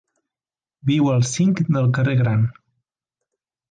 Viu al cinc del carrer Gran.